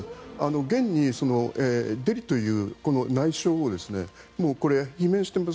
現にデリという内相を罷免しています。